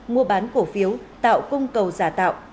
mua bán cổ phiếu tạo cung cầu giả tạo